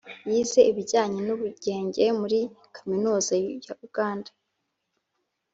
yize ibijyanye n’ubugenge muri kaminuza ya uganda